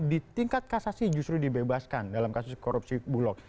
di tingkat kasasi justru dibebaskan dalam kasus korupsi bulog